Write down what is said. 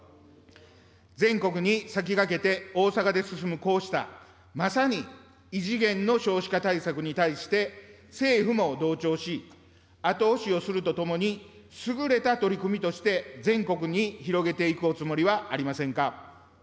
全国に先駆けて、大阪で進むこうしたまさに異次元の少子化対策に対して、政府も同調し、後押しをするとともに、優れた取り組みとして、全国に広げていくおつもりはありませんか。